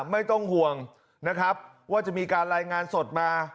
ไม่ต้องห่วงนะครับว่าจะมีการรายงานสดมา